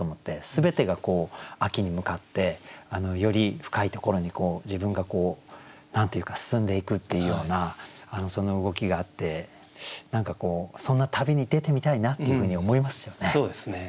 全てが秋に向かってより深いところに自分が何て言うか進んでいくっていうような動きがあって何かこうそんな旅に出てみたいなっていうふうに思いますよね。